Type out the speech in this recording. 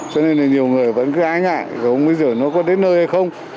cho nên là nhiều người vẫn cứ ái ngại không biết giờ nó có đến nơi hay không